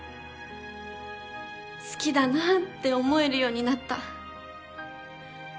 好きだなぁって思えるようになった。